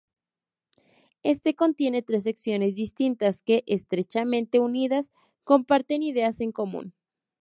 Éste contiene tres secciones distintas que, estrechamente unidas, comparten ideas en común.